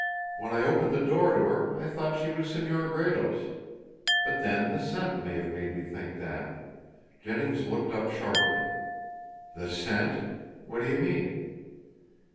When I opened the door to her I thought she was Senora Gredos. But then the scent may have made me think that." Jennings looked up sharply. "The scent? What do you mean?"